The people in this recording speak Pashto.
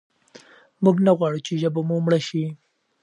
موږ نه غواړو چې ژبه مو مړه شي.